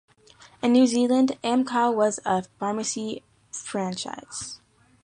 In New Zealand, Amcal was a pharmacy franchise.